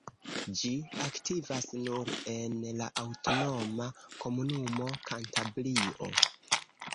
Ĝi aktivas nur en la aŭtonoma komunumo Kantabrio.